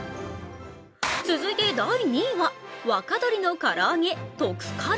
続いて、第２位は若鶏の唐揚げ、特から。